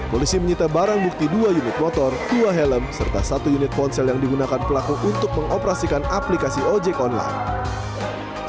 polisi menyita barang bukti dua unit motor dua helm serta satu unit ponsel yang digunakan pelaku untuk mengoperasikan aplikasi ojek online